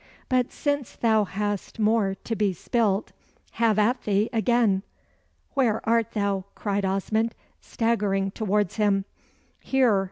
But since thou hast more to be spilt, have at thee again!" "Where art thou?" cried Osmond, staggering towards him. "Here!"